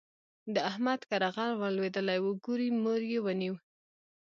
د احمد کره غل ور لوېدلی وو؛ ګوری موری يې ونيو.